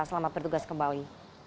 selamat bertugas kembali